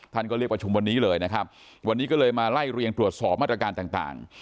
ท่านก็เรียกประชุมวันนี้เลยนะครับวันนี้ก็เลยมาไล่เรียงตรวจสอบมาตรการต่างต่าง